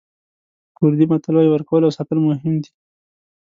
کوردي متل وایي ورکول او ساتل مهم دي.